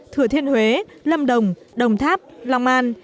thừa thiên huế lâm đồng đồng tháp long an